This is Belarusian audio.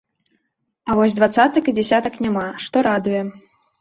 А вось дваццатак і дзясятак няма, што радуе.